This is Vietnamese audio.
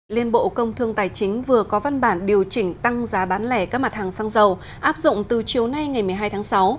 liên bộ công thương tài chính vừa có văn bản điều chỉnh tăng giá bán lẻ các mặt hàng xăng dầu áp dụng từ chiều nay ngày một mươi hai tháng sáu